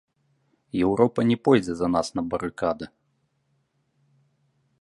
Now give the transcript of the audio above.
Еўропа не пойдзе за нас на барыкады.